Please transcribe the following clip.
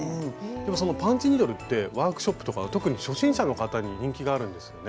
でもそのパンチニードルってワークショップとか特に初心者の方に人気があるんですよね？